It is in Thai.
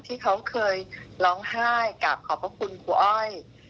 ที่เขาเคยร้องไห้กลับขอบพระคุณครูอ้อย